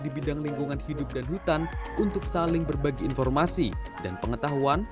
di bidang lingkungan hidup dan hutan untuk saling berbagi informasi dan pengetahuan